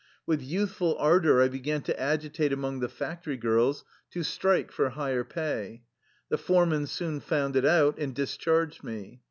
With youthful ardor I began to agitate among the factory girls to strike for higher pay. The foreman soon found it out, and discharged me.